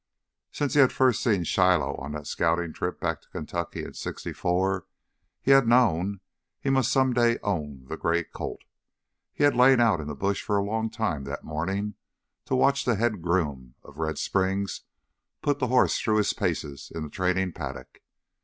Since he had first seen Shiloh on that scouting trip back to Kentucky in '64, he had known he must someday own the gray colt. He had lain out in the brush for a long time that morning to watch the head groom of Red Springs put the horse through his paces in the training paddock.